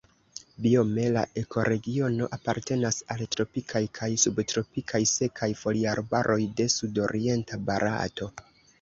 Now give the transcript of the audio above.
Biome la ekoregiono apartenas al tropikaj kaj subtropikaj sekaj foliarbaroj de sudorienta Barato.